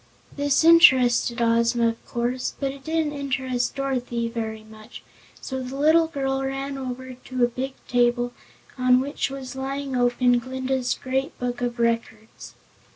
This interested Ozma, of course, but it didn't interest Dorothy very much, so the little girl ran over to a big table on which was lying open Glinda's Great Book of Records.